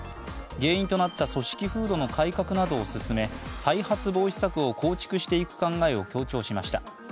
原因となった組織風土の改革などを進め再発防止策を構築していく考えを強調しました。